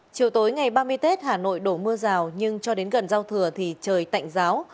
chiều tối ngày ba mươi tết hà nội đổ mưa rào nhưng cho đến gần giao thừa thì trời tạnh giáo